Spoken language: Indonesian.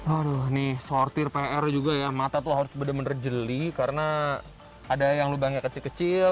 aduh nih sortir pr juga ya mata tuh harus bener bener jeli karena ada yang lubangnya kecil kecil